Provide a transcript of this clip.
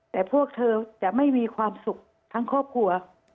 แต่พวกเธอจะไม่มีความสุขทั้งครอบครัว